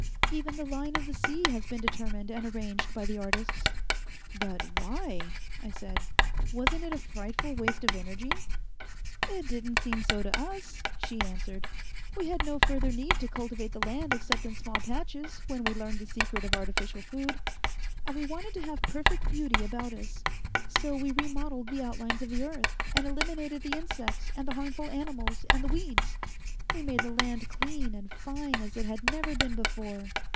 Even the line of the sea has been determined and arranged by the artists." "But why?" I said. "Wasn't it a frightful waste of energy?" "It didn't seem so to us," she answered. "We had no further need to cultivate the land except in small patches, when we learned the secret of artificial food. And we wanted to have perfect beauty about us. So we remodeled the outlines of the earth, and eliminated the insects and the harmful animals and the weeds. We made the land clean and fine as it had never been before."